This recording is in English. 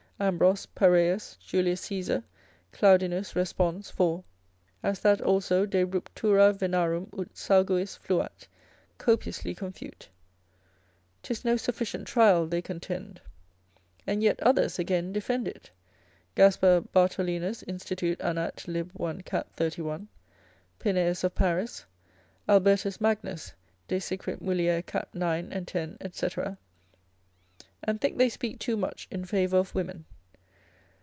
Ambros. Pareus, Julius Caesar Claudinus Respons. 4. as that also de ruptura venarum ut sauguis fluat, copiously confute; 'tis no sufficient trial they contend. And yet others again defend it, Gaspar Bartholinus Institut. Anat. lib. 1. cap. 31. Pinaeus of Paris, Albertus Magnus de secret. mulier. cap. 9 & 10. &c. and think they speak too much in favour of women.